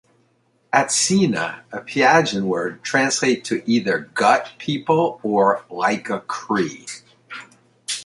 "Atsina", a Pieagan word, translates to either "gut people" or "like a Cree".